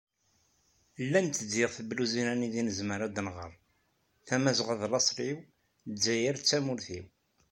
Llant-d diɣ tebluzin anida i nezmer ad d-nɣer: “Tamazɣa d laṣel-iw, Lezzayer d tamurt-iw."